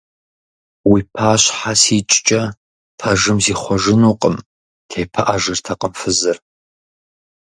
Уи пащхьэ сикӀкӀэ пэжым зихъуэжынукъым! – тепыӀэжыртэкъым фызыр.